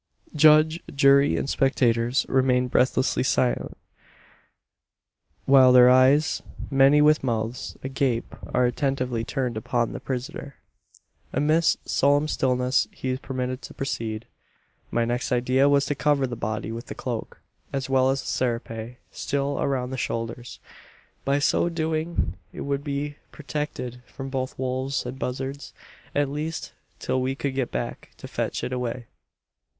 Judge, jury, and spectators remain breathlessly silent; while their eyes many with mouths agape are attentively turned upon the prisoner. Amidst solemn stillness he is permitted to proceed. "My next idea was to cover the body with the cloak as well as the serape still around the shoulders. By so doing it would be protected from both wolves and buzzards at least till we could get back to fetch it away.